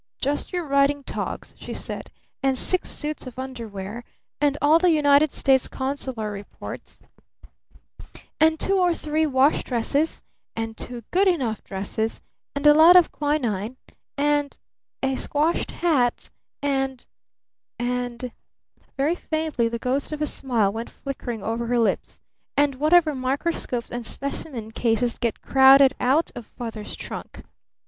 "Just your riding togs," she said, "and six suits of underwear and all the United States consular reports and two or three wash dresses and two 'good enough' dresses and a lot of quinine and a squashed hat and and " Very faintly the ghost of a smile went flickering over her lips "and whatever microscopes and specimen cases get crowded out of Father's trunk.